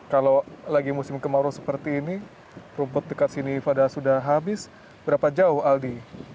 kalau lagi musim kemarau seperti ini rumput dekat sini pada sudah habis berapa jauh aldi